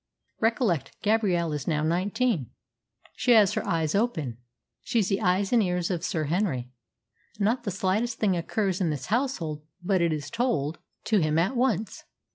Recollect, Gabrielle is now nineteen, and she has her eyes open. She's the eyes and ears of Sir Henry. Not the slightest thing occurs in this household but it is told to him at once.